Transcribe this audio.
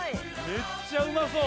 めっちゃうまそう。